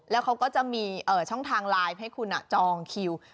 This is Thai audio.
แล้วเขาก็จะมีช่องทางไลน์ให้คุณจองคิว